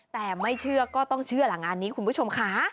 แต่ไม่เชื่อก็ต้องเชื่อหลังงานนี้คุณผู้ชมค่ะ